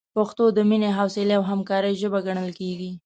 پښتو د مینې، حوصلې، او همکارۍ ژبه ګڼل کېږي.